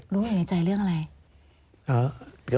รู้อยู่ในใจเรื่องอะไร